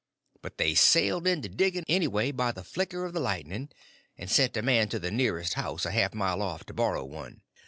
But they sailed into digging anyway by the flicker of the lightning, and sent a man to the nearest house, a half a mile off, to borrow one.